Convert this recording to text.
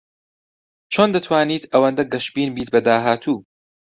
چۆن دەتوانیت ئەوەندە گەشبین بیت بە داهاتوو؟